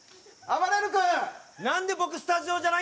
あばれる君。